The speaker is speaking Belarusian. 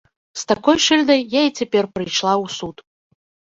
З такой шыльдай я і цяпер прыйшла ў суд.